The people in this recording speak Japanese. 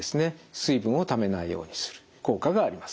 水分をためないようにする効果があります。